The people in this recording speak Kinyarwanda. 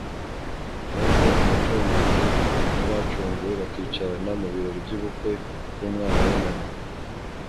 maze Umucunguzi n’abacunguwe bakicarana mu birori by’ubukwe bw’umwana w’intama.